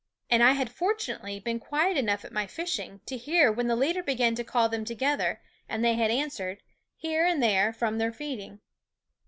And I had fortunately been quiet enough at my fishing to hear when the leader began to call them together and they had answered, here and there, from their feeding.